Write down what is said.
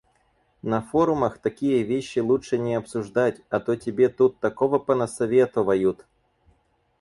На форумах такие вещи лучше не обсуждать, а то тебе тут такого понасоветовают.